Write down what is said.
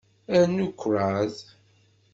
Rnu kraḍ.